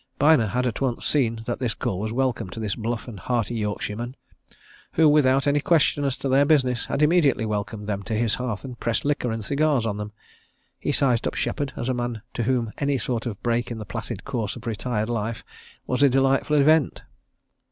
Byner had at once seen that this call was welcome to this bluff and hearty Yorkshireman, who, without any question as to their business, had immediately welcomed them to his hearth and pressed liquor and cigars on them: he sized up Shepherd as a man to whom any sort of break in the placid course of retired life was a delightful event.